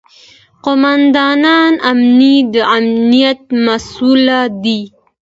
قوماندان امنیه د امنیت مسوول دی